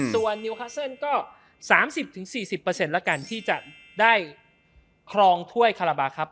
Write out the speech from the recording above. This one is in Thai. ส่วนนิวคัสเซิลก็๓๐๔๐แล้วกันที่จะได้ครองถ้วยคาราบาครับ